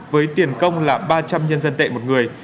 với tiền công là ba trăm linh nhân dân tệ một người